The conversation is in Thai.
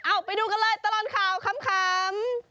เอาไปดูกันเลยตลอดข่าวขำ